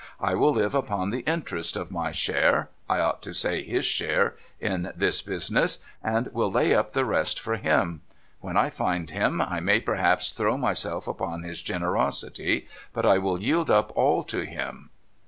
I will live upon the interest of my share — I ought to say his share — in this business, and will lay up the rest for him. 'When I find him, I may perhaps throw myself upon his generosity ; but I will yield up all to him.